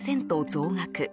増額